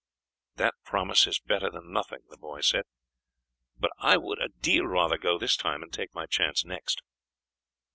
"That promise is better than nothing," the boy said; "but I would a deal rather go this time and take my chance next."